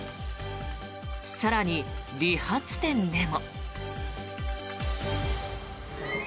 更に、理髪店でも。